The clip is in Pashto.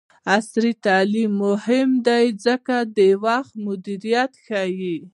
عصري تعلیم مهم دی ځکه چې د وخت مدیریت ښيي.